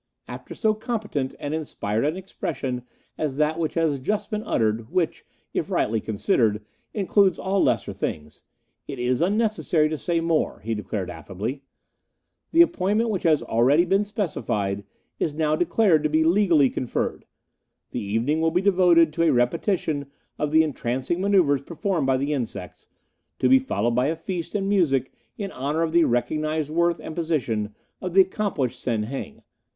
"'After so competent and inspired an expression as that which has just been uttered, which, if rightly considered, includes all lesser things, it is unnecessary to say more,' he declared affably. 'The appointment which has already been specified is now declared to be legally conferred. The evening will be devoted to a repetition of the entrancing manoeuvres performed by the insects, to be followed by a feast and music in honour of the recognized worth and position of the accomplished Sen Heng.